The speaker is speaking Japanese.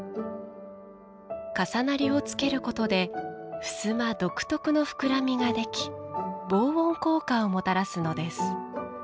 重なりをつけることでふすま独特の膨らみができ防音効果をもたらすのです。